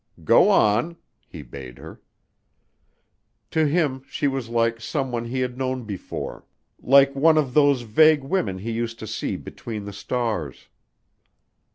"Go on," he bade her. To him she was like someone he had known before like one of those vague women he used to see between the stars.